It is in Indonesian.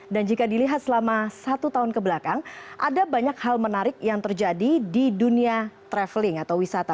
dan jika dilihat selama satu tahun kebelakang ada banyak hal menarik yang terjadi di dunia traveling atau wisata